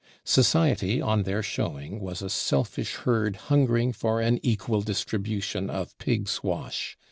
Society, on their showing, was a selfish herd hungering for an equal distribution of pigs wash.